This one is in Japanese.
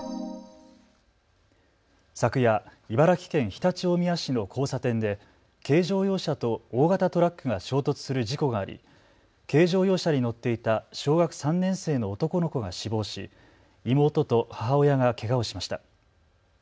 昨夜、茨城県常陸大宮市の交差点で軽乗用車と大型トラックが衝突する事故があり軽乗用車に乗っていた小学３年生の男の子が死亡し妹と母親がけがをしました。